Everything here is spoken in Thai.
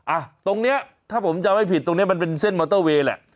อ่ะตรงเนี้ยถ้าผมจำไม่ผิดตรงนี้มันเป็นเส้นมอเตอร์เวย์แหละ